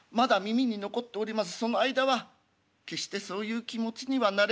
その間は決してそういう気持ちにはなれません」。